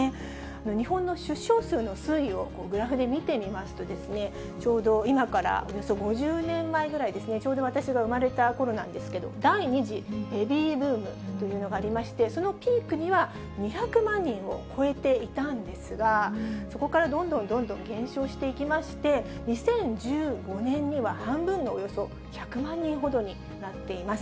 日本の出生数の推移をグラフで見てみますとですね、ちょうど今からおよそ５０年前ぐらいですね、ちょうど私が生まれたころなんですけれども、第２次ベビーブームというのがありまして、そのピークには、２００万人を超えていたんですが、そこからどんどんどんどん減少していきまして、２０１５年には半分のおよそ１００万人ほどになっています。